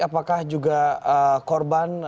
apakah juga korban